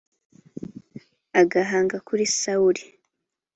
agahanga kuri sawuli